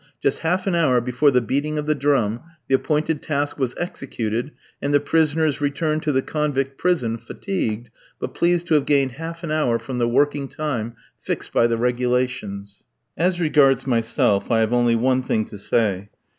Just half an hour before the beating of the drum, the appointed task was executed, and the prisoners returned to the convict prison fatigued, but pleased to have gained half an hour from the working time fixed by the regulations. As regards myself, I have only one thing to say.